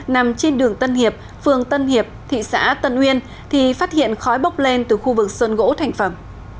nằm trên đường tân hiệp phường tân hiệp thị xã tân uyên thì phát hiện khói bốc lên từ khu vực sơn gỗ thành phẩm